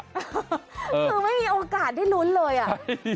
คือไม่มีโอกาสได้ลุ้นเลยอ่ะ